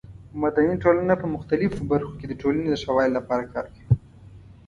مدني ټولنه په مختلفو برخو کې د ټولنې د ښه والي لپاره کار کوي.